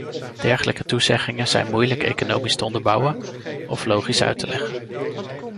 Dergelijke toezeggingen zijn moeilijk economisch te onderbouwen of logisch uit te leggen.